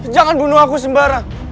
jangan bunuh aku sembara